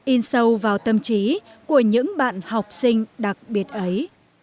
in sâu vào tâm trí của những bạn học sinh đặc biệt ấy